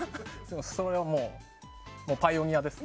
それはもう、パイオニアです。